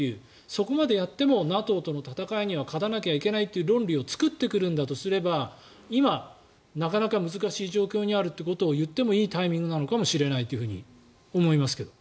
そこまでやってもＮＡＴＯとの戦いには勝たなきゃいけないという論理を作ってくるんだとすれば今、なかなか難しい状況にあるということを言ってもいいタイミングなのかもしれないと思いますけど。